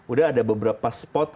udah ada beberapa spot